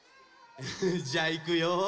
じゃあいくよ。